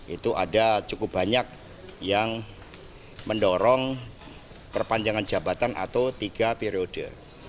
itu ada cukup banyak yang mendorong perpanjangan jabatan atau tiga periode